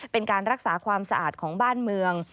เป็นการรักษาความสะอาดของบ้านเมือง